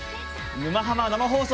「沼ハマ」生放送！